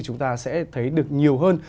chúng ta sẽ thấy được nhiều hơn